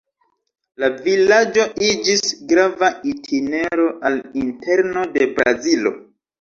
La vilaĝo iĝis grava itinero al interno de Brazilo.